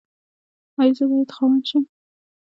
ایا زه باید خاوند شم؟